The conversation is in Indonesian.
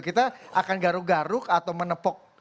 kita akan garuk garuk atau menepuk